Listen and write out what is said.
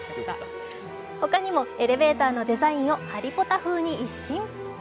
他にもエレベーターのデザインをハリポタ風に一新。